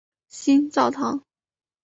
新教堂。